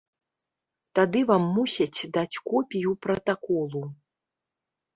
Тады вам мусяць даць копію пратаколу.